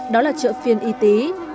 đó là chợ phiên y tí